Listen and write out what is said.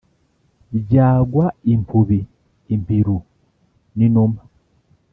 Byagwa impubi-Impiru n'inuma.